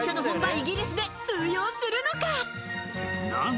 イギリスで通用するのか？